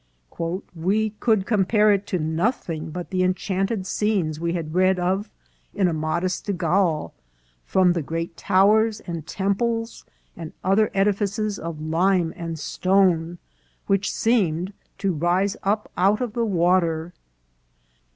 " We could compare it to nothing but the enchanted scenes we had read of in Amadis de Gaul, from the great towers, and temples, and other edi fices of lime and stone which seemed to rise up out of the water."